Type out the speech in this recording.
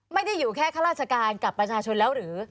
ไม่ได้อยู่แค่ข้าราชการกับประชาชนแล้วหรือ